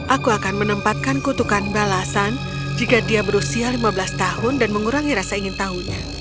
aku akan menempatkan kutukan balasan jika dia berusia lima belas tahun dan mengurangi rasa ingin tahunya